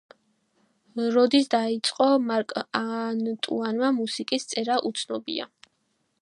როდის დაიწყო მარკ ანტუანმა მუსიკის წერა, უცნობია.